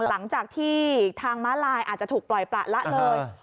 หลังจากที่ทางม้าลายอาจจะถูกปล่อยประละเลย